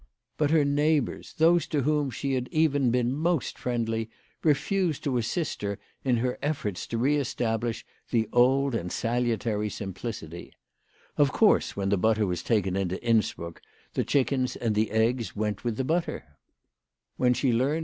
But her neighbours, those to whom she had even been most friendly, refused to assist her in her efforts to re establish the old and salutary simplicity. Of course when the butter was taken into Innsbruck, the chickens and the eggs went with the butter. When .she learned WHY FRAU FROHMANN RAISED HER PRICES.